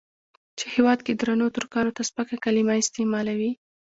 چې هېواد کې درنو ترکانو ته سپکه کليمه استعمالوي.